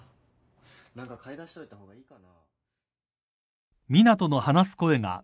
何か買い足しといた方がいいかな？